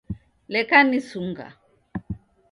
Leka nisunga